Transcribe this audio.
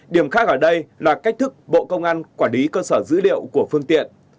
điểm khác ở đây là cách thức bộ công an quản lý cơ sở dữ liệu của phương tiện